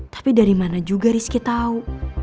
tapi dari mana juga rizky tahu